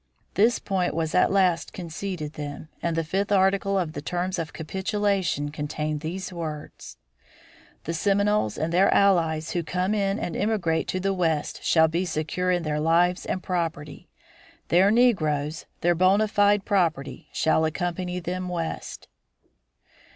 This point was at last conceded them, and the fifth article of the terms of capitulation contained these words: "The Seminoles and their allies who come in and emigrate to the west shall be secure in their lives and property; their negroes, their bona fide property, shall accompany them west."